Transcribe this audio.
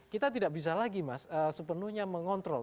kita tidak bisa lagi mas sepenuhnya mengontrol